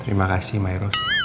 terima kasih mayros